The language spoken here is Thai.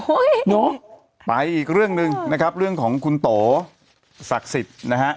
เนอะไปอีกเรื่องหนึ่งนะครับเรื่องของคุณโตศักดิ์สิทธิ์นะฮะ